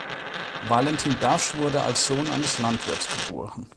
Valentin Dasch wurde als Sohn eines Landwirts geboren.